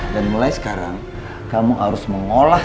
dan mulai sekarang kamu harus mengolah